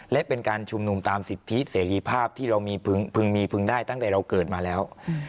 และเป็นการชุมนุมตามสิทธิเสรีภาพที่เรามีพึงมีพึงได้ตั้งแต่เราเกิดมาแล้ว